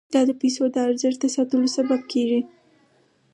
دا د پیسو د ارزښت ساتلو سبب کیږي.